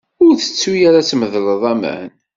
Ur tettu ara ad tmedled aman.